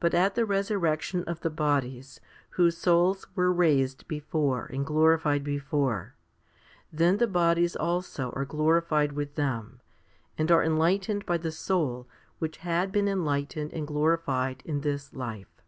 But at the resurrection of the bodies, whose souls were raised before and glorified before, then the bodies also are glorified with them, and are enlightened by the soul which had been enlightened and glorified in this life.